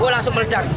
loh langsung meledak